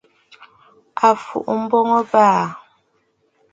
À fùʼu mboŋ ɨ̀bàà!